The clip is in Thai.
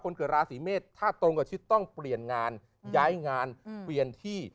เกิดราศีเมษถ้าตรงกับชิดต้องเปลี่ยนงานย้ายงานเปลี่ยนที่